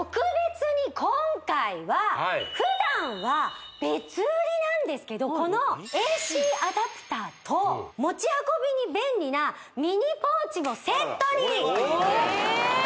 普段は別売りなんですけどこのＡＣアダプターと持ち運びに便利なミニポーチもセットにえっ